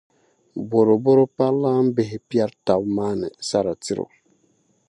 bɔrɔbɔro parilaambihi piɛri tab’ maani sara tiri o.